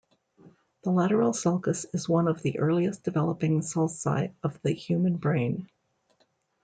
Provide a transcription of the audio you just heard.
The lateral sulcus is one of the earliest-developing sulci of the human brain.